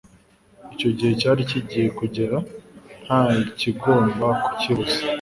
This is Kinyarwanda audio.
icyo gihe cyari kigiye kugera; nta kigomba kukibuza.